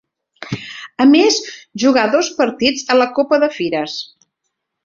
A més jugà dos partits a la Copa de Fires.